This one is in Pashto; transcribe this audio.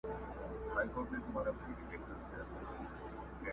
ما خو پرېږده نن رویبار په وینو ژاړي٫